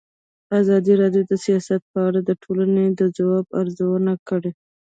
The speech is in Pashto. ازادي راډیو د سیاست په اړه د ټولنې د ځواب ارزونه کړې.